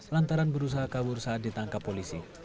lantaran berusaha kabur saat ditangkap polisi